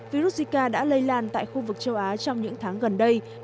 virus zika đã lây lan tại khu vực châu á trong những tháng gần đây